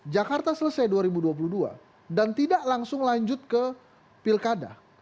jakarta selesai dua ribu dua puluh dua dan tidak langsung lanjut ke pilkada